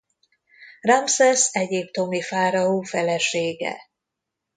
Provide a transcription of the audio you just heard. Ramszesz egyiptomi fáraó felesége.